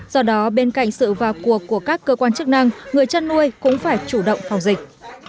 do đó bên cạnh sự vào cuộc của các cơ quan chức năng người chăn nuôi cũng phải chủ động phòng dịch